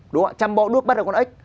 đúng không ạ chăm bó đuốc bắt là con ếch